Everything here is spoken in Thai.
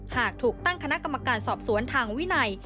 หากถูกตั้งคณะกรรมการสอบสวนทางวินัย